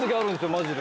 マジで。